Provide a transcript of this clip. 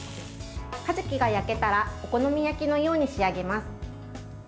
かじきが焼けたらお好み焼きのように仕上げます。